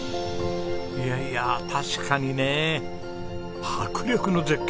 いやいや確かにね迫力の絶景ですね。